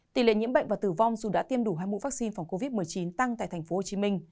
tỷ lệ nhiễm bệnh và tử vong dù đã tiêm đủ hai mũ vaccine phòng covid một mươi chín tăng tại tp hcm